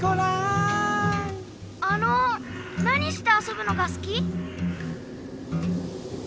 あのなにしてあそぶのがすき？